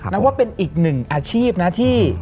นับว่าเป็นอีกหนึ่งอาชีพนะที่